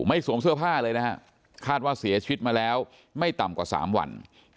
สวมเสื้อผ้าเลยนะฮะคาดว่าเสียชีวิตมาแล้วไม่ต่ำกว่า๓วัน